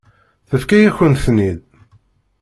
Tefka-yakent-ten-id.